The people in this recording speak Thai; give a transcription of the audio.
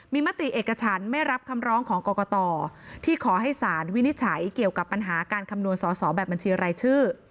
มีมติเอกฉันไม่รับคำร้องของกรกตที่ขอให้สารวินิจฉัยเกี่ยวกับปัญหาการคำนวณสอสอแบบบัญชีรายชื่อ